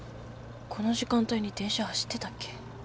この時間帯に電車走ってたっけ？